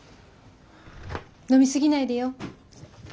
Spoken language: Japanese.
飲み過ぎないでよ。